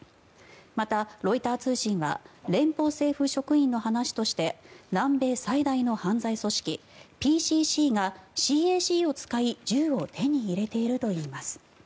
また、ロイター通信は連邦政府職員の話として南米最大の犯罪組織ＰＣＣがＣＡＣを使って銃を手に入れているといいます。